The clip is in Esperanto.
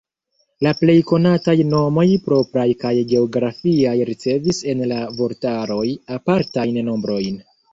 La plej konataj nomoj propraj kaj geografiaj ricevis en la vortaroj apartajn nombrojn.